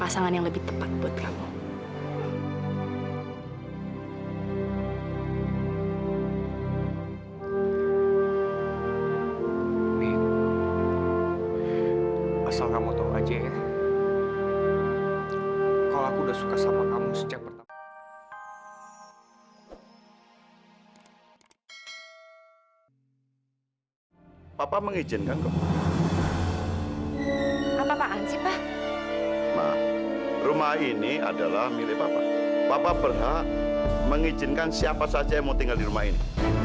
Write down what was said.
saya mau tinggal di rumah ini